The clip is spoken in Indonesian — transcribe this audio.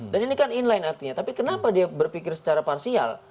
dan ini kan inline artinya tapi kenapa dia berpikir secara parsial